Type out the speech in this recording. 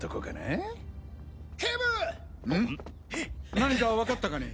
何か分かったかね？